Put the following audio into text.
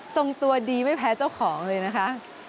ตรงตัวดีไม่แพ้เจ้าของเลยนะคะ